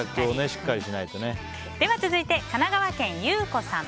では続いて、神奈川県の方。